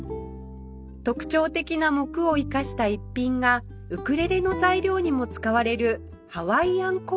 特徴的な杢を生かした逸品がウクレレの材料にも使われるハワイアンコアのボールペン